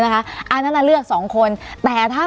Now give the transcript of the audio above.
การแสดงความคิดเห็น